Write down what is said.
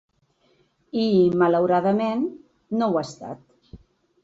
I, malauradament no ho ha estat.